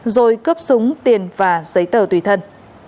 rồi cướp súng tiền và giấy tờ tùy thân